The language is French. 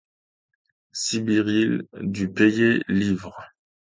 Sibiril dût payer livres.